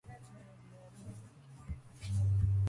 In the "Fasti Amiternini", this festival is assigned to Jupiter.